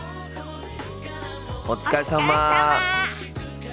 お疲れさま。